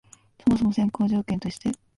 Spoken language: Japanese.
そもそも先行条件として、